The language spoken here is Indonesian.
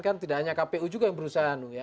kan tidak hanya kpu juga yang berusaha